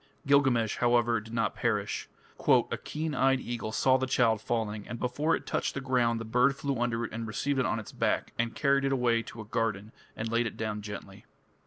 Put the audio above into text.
Gilgamesh, however, did not perish. "A keen eyed eagle saw the child falling, and before it touched the ground the bird flew under it and received it on its back, and carried it away to a garden and laid it down gently."